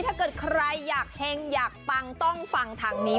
ถ้าเกิดใครอยากเฮงอยากปังต้องฟังทางนี้